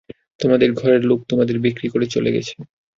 তোমাদের ঘরের লোক তোমাদের বিক্রি করে চলে গেছে।